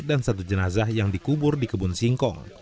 dan satu jenazah yang dikubur di kebun singkong